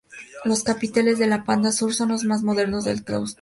Los capiteles de la panda sur son los más modernos del claustro.